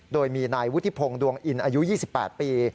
โดยมีนายวุฒิพงศ์ดวงอินอายุ๒๘ปี